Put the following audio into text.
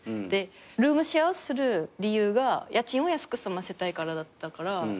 でルームシェアをする理由が家賃を安く済ませたいからだったから。